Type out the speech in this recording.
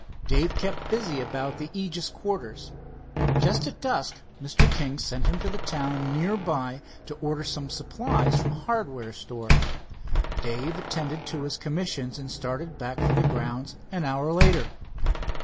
Dave kept busy about the Aegis quarters. Just at dusk Mr. King sent him to the town near by to order some supplies from a hardware store. Dave attended to his commissions and started back for the grounds an hour later.